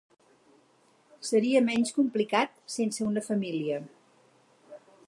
Seria menys complicat sense una família.